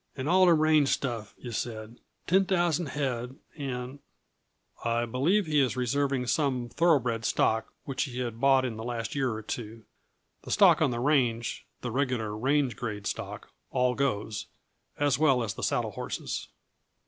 And all the range stuff, yuh said ten thousand head, and " "I believe he is reserving some thoroughbred stock which he has bought in the last year or two. The stock on the range the regular range grade stock all goes, as well as the saddle horses."